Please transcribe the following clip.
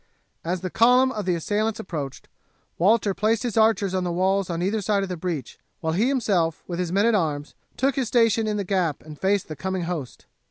As the column of the assailants approached Walter placed his archers on the walls on either side of the breach, while he himself, with his men at arms, took his station in the gap and faced the coming host.